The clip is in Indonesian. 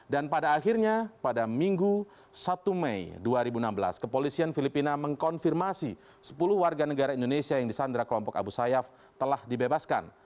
dan pada akhirnya pada minggu satu mei dua ribu enam belas kepolisian filipina mengkonfirmasi sepuluh warga negara indonesia yang disandra kelompok abu sayyaf telah dibebaskan